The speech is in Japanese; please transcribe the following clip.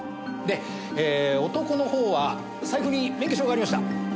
で男のほうは財布に免許証がありました。